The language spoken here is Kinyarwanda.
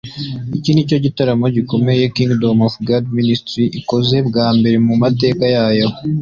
Iki ni cyo gitaramo gikomeye Kingdom of God Ministries ikoze bwa mbere mu mateka yayo